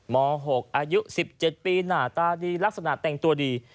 ม๖อายุ๑๗ปีหน้าตาดีลักษณะแต่งตัวดี